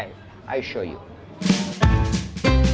saya akan menunjukkan